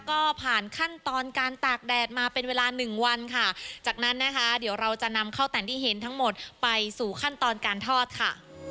ก็ผ่านขั้นตอนการตากแดดมาเป็นเวลาหนึ่งวันค่ะจากนั้นนะคะเดี๋ยวเราจะนำข้าวแต่นที่เห็นทั้งหมดไปสู่ขั้นตอนการทอดค่ะ